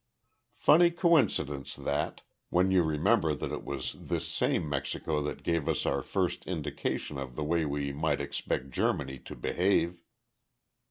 Funny coincidence, that, when you remember that it was this same Mexico that gave us our first indication of the way we might expect Germany to behave."